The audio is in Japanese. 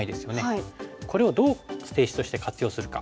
これをどう捨て石として活用するか。